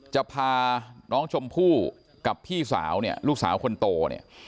จะพาน้องชมพู่กับพี่สาวเนี่ยลูกสาวคนโตเนี่ย